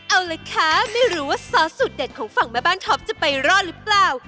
เอาละคะไม่รู้ว่าซอสสูตรเด็ดของฝั่งแม่บ้านท็อปจะไปรอดหรือเปล่า